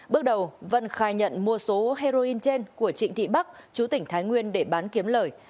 bước đầu vân khai nhận mua số heroin trên của trịnh thị bắc chú tỉnh thái nguyên để bán kiếm lời